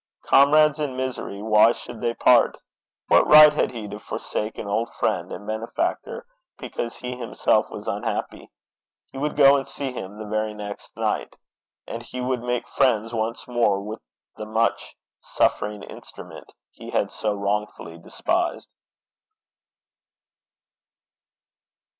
Comrades in misery, why should they part? What right had he to forsake an old friend and benefactor because he himself was unhappy? He would go and see him the very next night. And he would make friends once more with the much 'suffering instrument' he had so wrongfully despised.